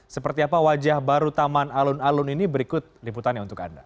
seperti apa wajah baru taman alun alun ini berikut liputannya untuk anda